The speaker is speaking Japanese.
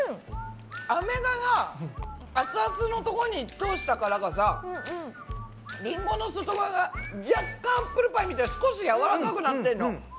アメがさ熱々のとこに通したからかさりんごの外側が若干アップルパイみたいに少しやわらかくなってんの。